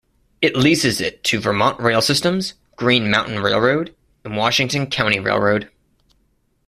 It leases it to Vermont Rail Systems, Green Mountain Railroad, and Washington County Railroad.